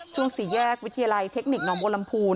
ช่วงสี่แยกวิทยาลัยเทคนิคหนองโบรมภู